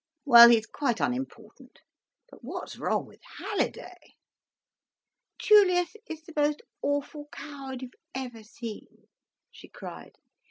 "Well, he's quite unimportant. But what's wrong with Halliday?" "Julius's the most awful coward you've ever seen," she cried.